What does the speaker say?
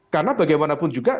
karena bagaimanapun juga